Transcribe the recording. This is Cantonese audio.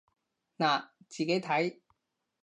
嗱，自己睇